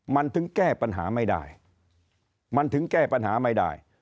มันถึงแก้ปัญหาไม่ได้มันถึงแก้ปัญหาไม่ได้